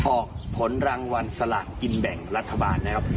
ออกผลรางวัลสลากกินแบ่งรัฐบาลนะครับ